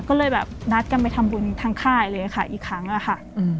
ก็เลยแบบนัดกันไปทำบุญทั้งค่ายเลยค่ะอีกครั้งอะค่ะ